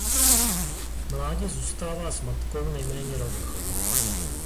Mládě zůstává s matkou nejméně rok.